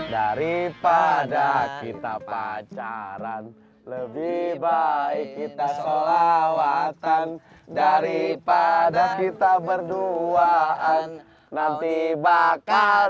daripada kita pacaran lebih baik kita seolah watan daripada kita berduaan nanti bakal